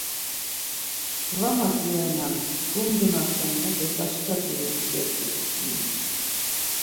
Va madziranen, gondunasen ya do başka gurubi gedgu Fusunik.